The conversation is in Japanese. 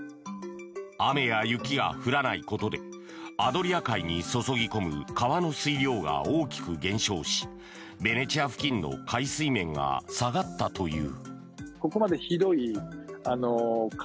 雨や雪が降らないことでアドリア海に注ぎ込む川の水量が大きく減少しベネチア付近の海水面が下がったという。